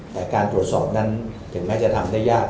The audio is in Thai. แต่การตรวจสอบนั้นถึงแม้จะทำได้ยาก